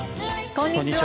こんにちは。